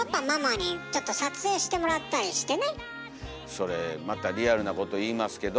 それまたリアルなこと言いますけど。